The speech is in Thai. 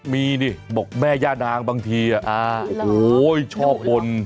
มีนี่บอกแม่ย่านางบางทีโอ้โหชอบบ่น